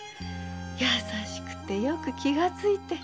優しくてよく気がついて。